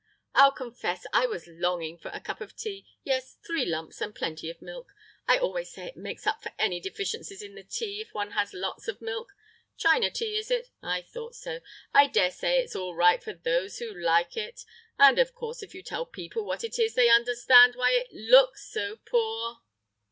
I'll confess I was longing for a cup of tea.... Yes, three lumps and plenty of milk. I always say it makes up for any deficiencies in the tea, if one has lots of milk.... China tea, is it? I thought so. I dare say it's all right for those who like it. And, of course, if you tell people what it is, they understand why it looks so poor....